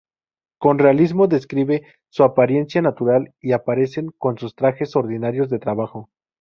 Con realismo describe su apariencia natural y aparecen con sus trajes ordinarios de trabajo.